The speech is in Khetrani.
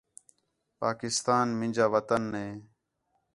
پاکستان مینجا وطن ہے